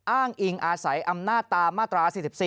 อ้างอิงอาศัยอำนาจตามมาตรา๔๔